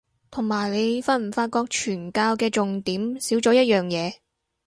同埋你發唔發覺傳教嘅重點少咗一樣嘢